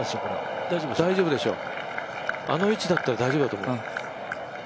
大丈夫でしょう、あの位置だったら大丈夫だと思う。